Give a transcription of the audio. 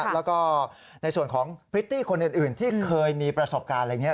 แล้วก็ในส่วนของพริตตี้คนอื่นที่เคยมีประสบการณ์อะไรอย่างนี้